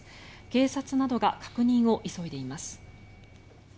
警察などが確認を急いでいます。